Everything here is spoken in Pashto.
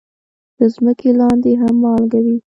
د ځمکې لاندې هم مالګه وي.